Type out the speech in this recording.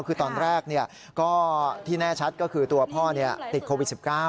คือตอนแรกก็ที่แน่ชัดก็คือตัวพ่อติดโควิด๑๙